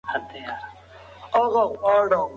ایا ستا په زړه کي د سولي او شکر مینه سته؟